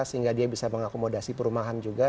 sehingga dia bisa mengakomodasi perumahan juga